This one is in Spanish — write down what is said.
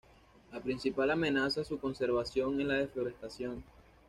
La principal amenaza a su conservación es la deforestación.